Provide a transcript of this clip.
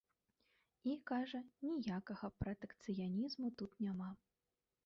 І, кажа, ніякага пратэкцыянізму тут няма.